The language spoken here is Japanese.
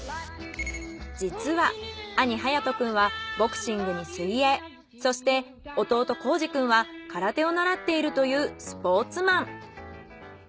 実は兄颯斗くんはボクシングに水泳そして弟晃司くんは空手を習っているというスポーツマン。